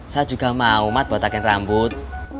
saya juga mau mat botakin rambut